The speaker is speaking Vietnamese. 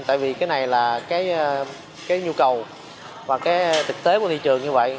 tại vì cái này là cái nhu cầu và cái thực tế của thị trường như vậy